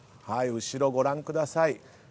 はい後ろご覧ください。